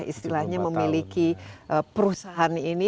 istilahnya memiliki perusahaan ini